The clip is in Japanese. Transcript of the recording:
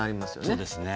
そうですね。